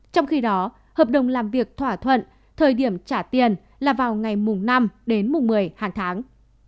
trong khi đó hợp đồng làm việc thỏa thuận thời điểm trả tiền là vào ngày mùng năm đến mùng một mươi hàng tháng